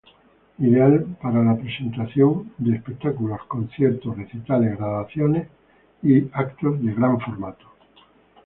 Ideal parta la presentación de espectáculos conciertos, recitales, graduaciones y eventos de gran formato.